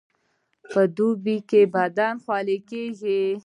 په دوبي بدن خولې کیږي